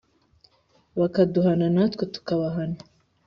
bakaduhana, natwe tukabubaha